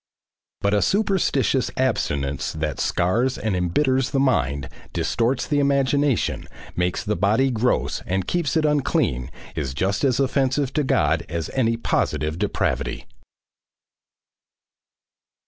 But a superstitious abstinence that scars and embitters the mind, distorts the imagination, makes the body gross and keeps it unclean, is just as offensive to God as any positive depravity.